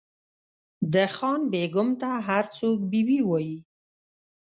د خان بېګم ته هر څوک بي بي وایي.